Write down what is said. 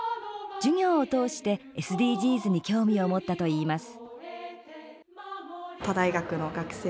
授業を通してＳＤＧｓに興味を持ったといいます。